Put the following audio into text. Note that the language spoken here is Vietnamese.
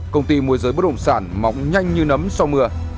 công ty môi giới bất đồng sản mỏng nhanh như nấm sau mưa